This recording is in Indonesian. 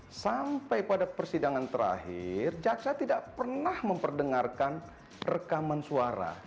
nah sampai pada persidangan terakhir jaksa tidak pernah memperdengarkan rekaman suara